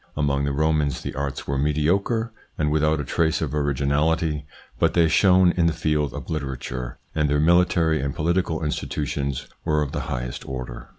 Among the Romans the arts were mediocre and without a trace of originality, but they shone in the field of literature, and their military and political institutions were of the highest order.